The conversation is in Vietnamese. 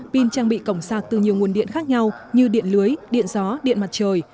pin trang bị cổng sạc từ nhiều nguồn điện khác nhau như điện lưới điện gió điện mặt trời